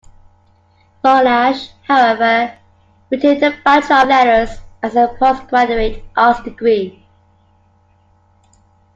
Monash, however, retained the Bachelor of Letters as a postgraduate arts degree.